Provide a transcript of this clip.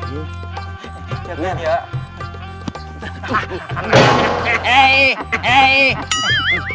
jangan lari ya